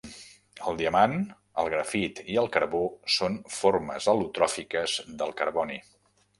El diamant, el grafit i el carbó són formes al·lotròfiques del carboni.